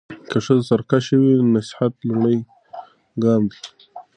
که ښځه سرکشه وي، نصيحت لومړی ګام دی.